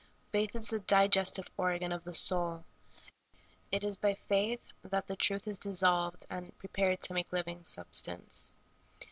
Faith is the digestive organ of the soul. It is by faith that the truth is dissolved and prepared to make living substance.